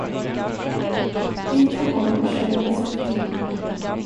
Vintern kom och kölden slog till.